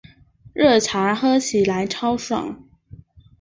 热茶喝起来超爽